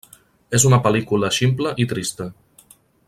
És una pel·lícula ximple i trista.